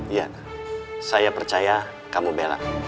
iya saya percaya kamu bela